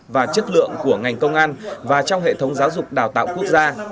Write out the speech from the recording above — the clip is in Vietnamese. và chất lượng của ngành công an và trong hệ thống giáo dục đào tạo quốc gia